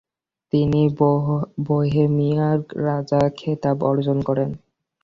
তিনি বোহেমিয়ার রাজা খেতাব অর্জন করেন।